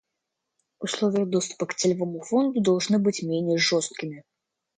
Условия доступа к Целевому фонду должны быть менее жесткими.